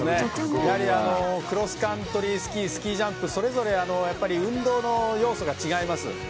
やはりクロスカントリースキージャンプそれぞれ運動の要素が違います。